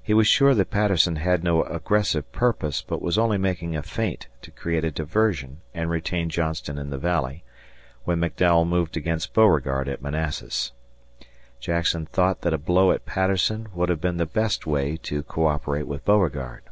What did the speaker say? He was sure that Patterson had no aggressive purpose, but was only making a feint to create a diversion and retain Johnston in the Valley, when McDowell moved against Beauregard at Manassas. Jackson thought that a blow at Patterson would have been the best way to cooperate with Beauregard.